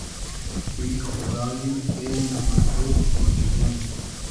ای خوداییم اېنۂ مئغرور اۉجئگون